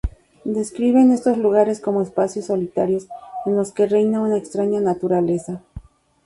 Describen estos lugares como espacios solitarios en los que reina una extraña naturaleza.